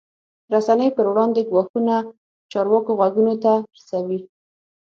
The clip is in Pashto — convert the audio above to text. رسنۍ پر وړاندې ګواښونه چارواکو غوږونو ته رسوي.